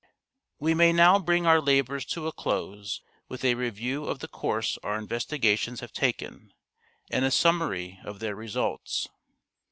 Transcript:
We may now bring our labours to a close with a review of the course our investigations have taken, and a summary of their results.